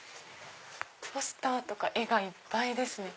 ポスターとか絵がいっぱいですね。